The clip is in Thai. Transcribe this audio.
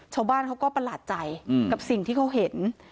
ชาวบ้านเขาก็ประหลาดใจกับสิ่งที่เขาเห็น